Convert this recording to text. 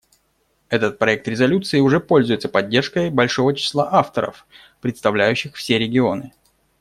Этот проект резолюции уже пользуется поддержкой большого числа авторов, представляющих все регионы.